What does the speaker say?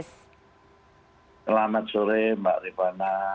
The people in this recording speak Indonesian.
selamat sore mbak ribana